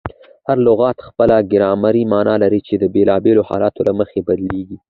هر لغت خپله ګرامري مانا لري، چي د بېلابېلو حالتو له مخي بدلیږي.